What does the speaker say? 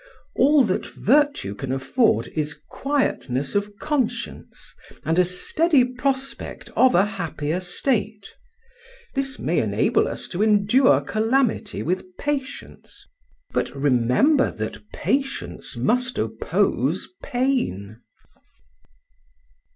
All that virtue can afford is quietness of conscience and a steady prospect of a happier state; this may enable us to endure calamity with patience, but remember that patience must oppose pain."